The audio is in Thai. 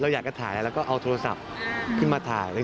อยากจะถ่ายแล้วก็เอาโทรศัพท์ขึ้นมาถ่าย